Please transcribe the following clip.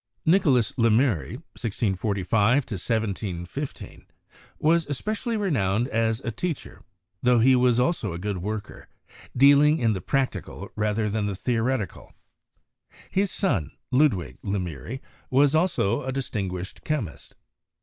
Nicolas Lemery (1645 1715) was especially renowned as a teacher, tho he was also a good worker, dealing in the practical rather than the theoretical. His son, Ludwig Lemery, was also a distinguished chemist.